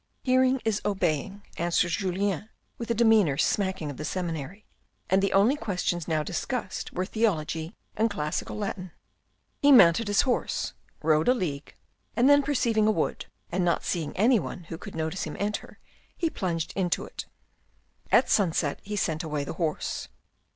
" Hearing is obeying," answered Julien with a demeanour smacking of the seminary, and the only questions now discussed were theology and classical Latin. He mounted his horse, rode a league, and then perceiving a wood and not seeing any one who could notice him enter, he plunged into it. At sunset, he sent away the horse.